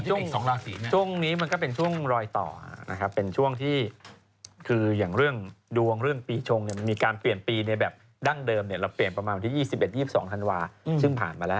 ช่วง๒ราศีช่วงนี้มันก็เป็นช่วงรอยต่อนะครับเป็นช่วงที่คืออย่างเรื่องดวงเรื่องปีชงมันมีการเปลี่ยนปีในแบบดั้งเดิมเราเปลี่ยนประมาณวันที่๒๑๒๒ธันวาซึ่งผ่านมาแล้ว